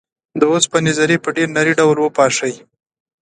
د اوسپنې ذرې په ډیر نري ډول وپاشئ.